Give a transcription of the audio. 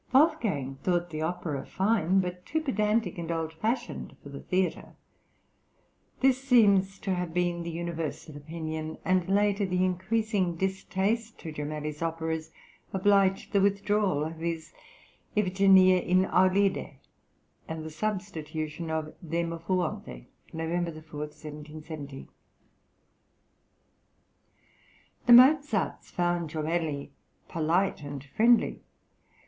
Wolfgang thought the opera fine, but too pedantic and old fashioned for the theatre. This seems to have been the universal opinion; and later the increasing distaste to Jomelli's operas obliged the withdrawal of his "Iphigenia in Aulide," and the substitution of "Demofoonte" (November 4, 1770). The Mozarts found Jomelli polite and friendly.